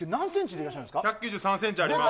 １９３センチあります。